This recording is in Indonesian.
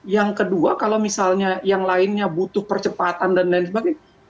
yang kedua kalau misalnya yang lainnya butuh percepatan dan lain sebagainya